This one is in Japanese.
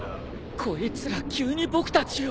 こいつら急に僕たちを。